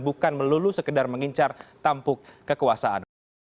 bukan melulu sekedar mengincar tampuk kekuasaan